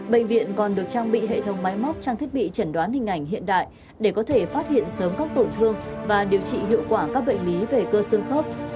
bệnh viện còn được trang bị hệ thống máy móc trang thiết bị chẩn đoán hình ảnh hiện đại để có thể phát hiện sớm các tổn thương và điều trị hiệu quả các bệnh lý về cơ xương khớp